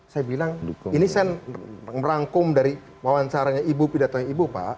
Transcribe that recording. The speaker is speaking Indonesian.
saya bilang ini saya merangkum dari wawancaranya ibu pidatonya ibu pak